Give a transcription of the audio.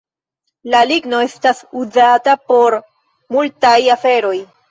La ligno estas uzata por multaj aferoj.